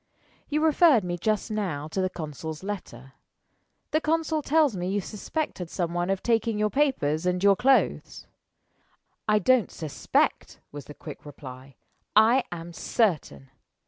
"You referred me just now to the consul's letter. The consul tells me you suspected some one of taking your papers and your clothes." "I don't suspect," was the quick reply; "I am certain!